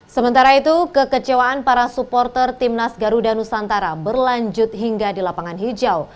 sementara itu kekecewaan para supporter timnas garuda nusantara berlanjut hingga di lapangan hijau